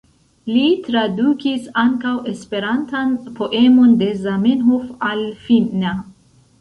Li tradukis ankaŭ esperantan poemon de Zamenhof al finna.